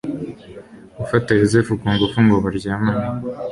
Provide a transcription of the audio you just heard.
gufata yozefu ku ngufu ngo baryamane